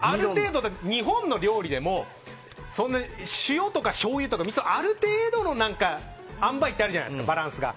日本の料理でも塩とかしょうゆとかみそとかある程度のあんばいってあるじゃないですか、バランスが。